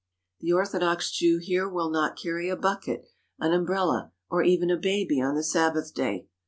The orthodox Jew here will not carry a bucket, an umbrella, or even a baby on the Sabbath day.